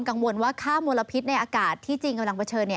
กังวลว่าค่ามลพิษในอากาศที่จีนกำลังเผชิญ